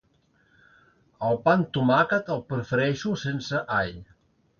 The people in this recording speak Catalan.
El pà amb tomàquet, el prefereixo sense all.